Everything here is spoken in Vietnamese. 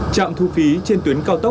chạm thu phí trên tuyến đường hà nội